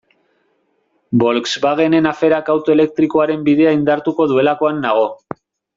Volkswagenen aferak auto elektrikoaren bidea indartuko duelakoan nago.